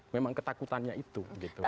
memang ketakutannya itu